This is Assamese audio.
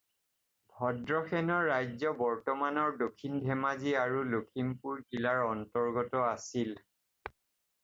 ভদ্ৰশেনৰ ৰাজ্য বৰ্তমানৰ দক্ষিণ ধেমাজি আৰু লক্ষিমপুৰ জিলাৰ অন্তৰ্গত আছিল।